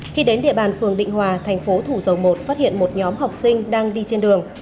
khi đến địa bàn phường định hòa thành phố thủ dầu một phát hiện một nhóm học sinh đang đi trên đường